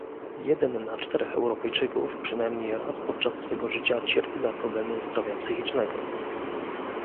Jeden na czterech Europejczyków przynajmniej raz podczas swego życia cierpi na problemy zdrowia psychicznego